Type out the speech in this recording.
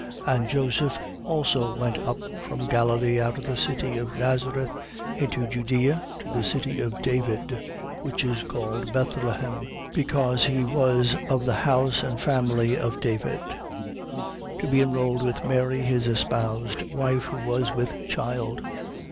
2:4. And Joseph also went up from Galilee, out of the city of Nazareth, into Judea, to the city of David, which is called Bethlehem: because he was of the house and family of David. 2:5. To be enrolled with Mary his espoused wife, who was with child.